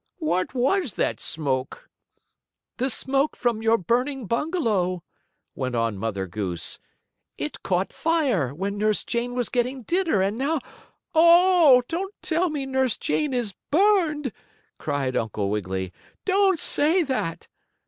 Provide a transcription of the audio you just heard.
"What was that smoke?" "The smoke from your burning bungalow," went on Mother Goose. "It caught fire, when Nurse Jane was getting dinner, and now " "Oh! Don't tell me Nurse Jane is burned!" cried Uncle Wiggily. "Don't say that!"